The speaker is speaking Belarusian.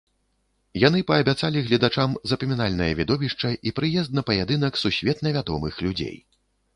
Яны паабяцалі гледачам запамінальнае відовішча і прыезд на паядынак сусветна вядомых людзей.